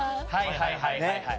はいはいはい。